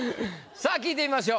さあ聞いてみましょう。